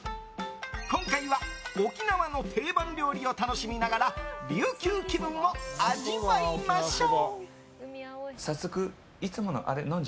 今回は、沖縄の定番料理を楽しみながら琉球気分を味わいましょう。